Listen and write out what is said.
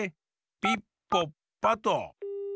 ピッポッパッと。